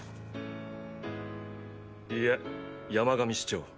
いえ山上士長。